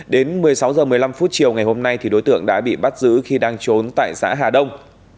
đến một mươi sáu h một mươi năm chiều ngày hôm nay đối tượng đã bị bắt giữ khi đang trốn tại xã hà đông